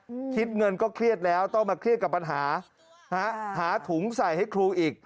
คิดเงินก็เครียดแล้วต้องมาเครียดกับปัญหาฮะหาถุงใส่ให้ครูอีก